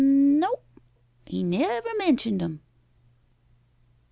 No, he never mentioned 'em."